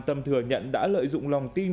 tâm thừa nhận đã lợi dụng lòng tin